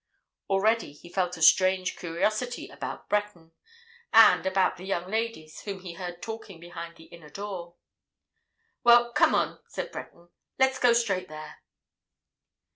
Already he felt a strange curiosity about Breton, and about the young ladies whom he heard talking behind the inner door. "Well, come on," said Breton. "Let's go straight there."